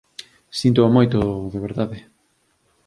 Síntoo moito, de verdade